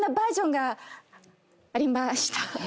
ありました。